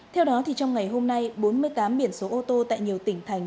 theo đó trong ngày hôm nay bốn mươi tám biển số ô tô tại nhiều tỉnh thành